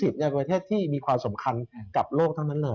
ในประเทศที่มีความสำคัญกับโลกเท่านั้นเลย